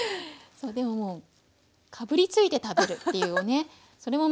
でももうかぶりついて食べるっていうのをね